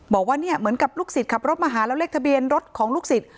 บอกว่าเนี่ยเหมือนกับลูกศิษย์ขับรถมาหาแล้วเลขทะเบียนรถของลูกศิษย์